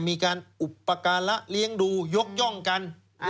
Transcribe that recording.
มีการอุปการะเลี้ยงดูยกย่องกัน